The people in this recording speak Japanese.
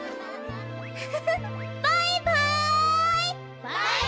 バイバイ！